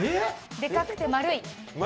でかくて丸い？